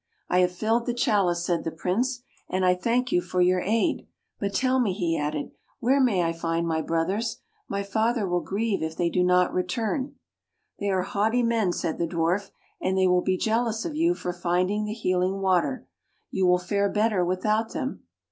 " I have filled the chalice," said the Prince, " and I thank you for your aid. But tell me," he added, " where I may find my brothers. My father will grieve if they do not return." " They are haughty men," said the Dwarf, " and they will be jealous of you for finding [ 104 ] THE HEALING WATER the healing water. You will fare better without them."